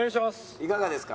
いかがですか？